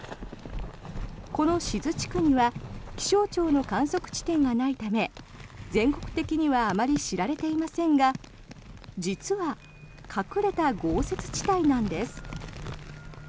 この志津地区には気象庁の観測地点がないため全国的にはあまり知られていませんが実は隠れた豪雪地帯なんです。